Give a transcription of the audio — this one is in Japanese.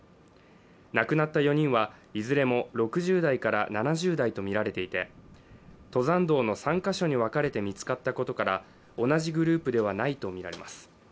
亡くなった４人は、いずれも６０７０代みられていて、登山道の３か所に分かれて見つかったことから同じグループではないとみられます。